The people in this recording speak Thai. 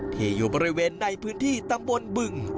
อยู่บริเวณในพื้นที่ตำบลบึง